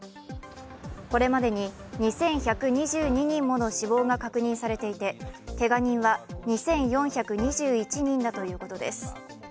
これまでに２１２２人もの死亡が確認されていてけが人は２４２１人だということです。